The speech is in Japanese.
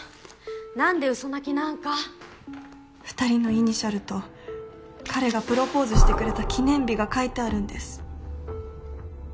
なんで嘘泣きなんか２人のイニシャルと彼がプロポーズしてくれた記念日が書いてあるんです